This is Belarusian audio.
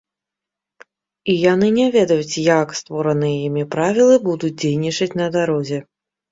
І яны не ведаюць, як створаныя імі правілы будуць дзейнічаць на дарозе.